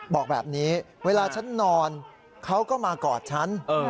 บอกแบบนี้เวลาฉันนอนเขาก็มากอดฉัน